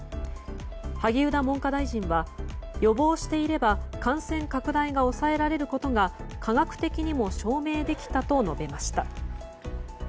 萩生田文科大臣は予防していれば感染拡大が抑えられることが科学的にも証明できたと述べました。